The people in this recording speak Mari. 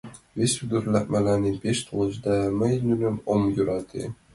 Вес ӱдыр-влак мыланем пеш толнешт да, мый нуным ом йӧрате.